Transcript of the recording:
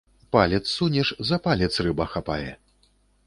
Палец сунеш, за палец рыба хапае!